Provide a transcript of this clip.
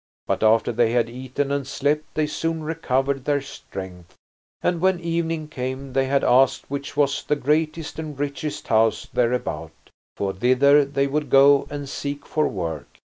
But after they had eaten and slept they soon recovered their strength, and when evening came they had asked which was the greatest and richest house thereabout, for thither they would go and seek for work.